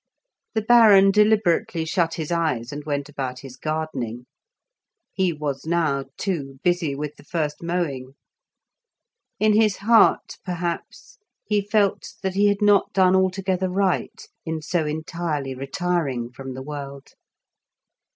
The Baron deliberately shut his eyes and went about his gardening; he was now, too, busy with the first mowing. In his heart, perhaps, he felt that he had not done altogether right in so entirely retiring from the world.